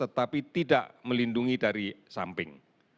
tetapi tidak melindungi dari samping